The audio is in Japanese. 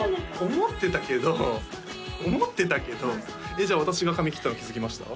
思ってたけど思ってたけどじゃあ私が髪切ったの気づきました？